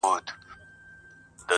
راټول سوی وه مېږیان تر چتر لاندي!!